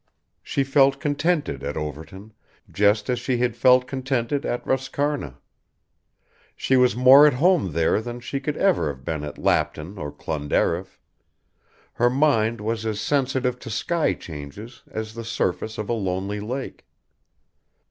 She felt contented at Overton, just as she had felt contented at Roscarna. She was more at home there than she could ever have been at Lapton or Clonderriff; her mind was as sensitive to sky changes as the surface of a lonely lake.